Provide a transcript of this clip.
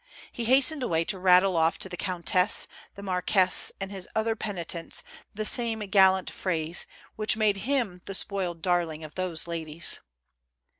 He hastened away to rattle ofl' to the countess, the marquise and his other penitents the same gallant phrase, which made him the spoiled darling of those ladies.